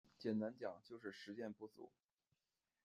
简单讲就是时间不足